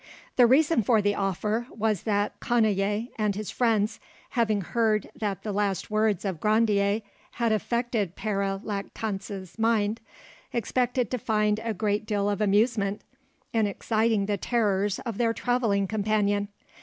The reason for the offer was that Canaye and his friends, having heard that the last words of Grandier had affected Pere Lactance's mind, expected to find a great deal of amusement in exciting the terrors of their travelling companion.